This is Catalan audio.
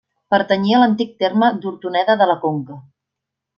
Pertanyia a l'antic terme d'Hortoneda de la Conca.